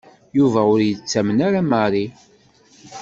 Yuba ur yettamen ara Mary.